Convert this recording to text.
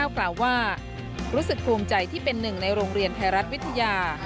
กล่าวว่ารู้สึกภูมิใจที่เป็นหนึ่งในโรงเรียนไทยรัฐวิทยา